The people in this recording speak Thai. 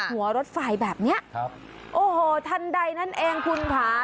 หัวรถฝ่ายแบบเนี้ยโอ้โหทันใดนั่นเองคุณผา